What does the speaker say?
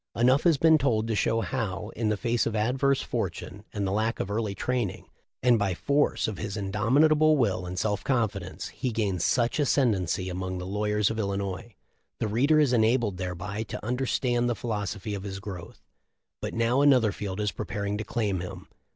Enough has been told to show how, in the face of adverse fortune and the lack of early training and by force of his indomitable will and self confidence, he gained such ascendency among the lawyers of Illinois. The reader is enabled thereby to understand the philosophy of his growth. But now another field is preparing to claim him.